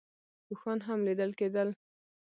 اوښان هم لیدل کېدل.